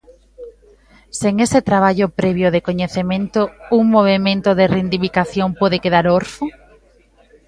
Sen ese traballo previo de coñecemento un movemento de reivindicación pode quedar orfo?